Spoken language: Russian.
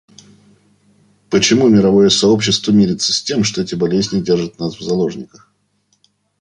Почему мировое сообщество мирится с тем, что эти болезни держат нас в заложниках?